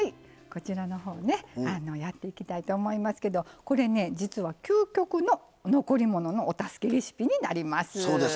こちらのほうやっていきたいと思いますけど実は、究極の残り物のお助けレシピになります。